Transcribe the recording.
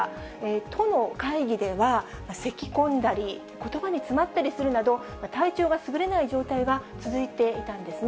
都の会議では、せきこんだり、ことばに詰まったりするなど、体調がすぐれない状態が続いていたんですね。